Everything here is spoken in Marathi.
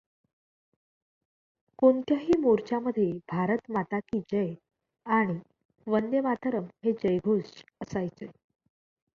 कोणत्याही मोर्चामध्ये भारत माता की जय आणि वंदेमातरम् हे जयघोष असायचे.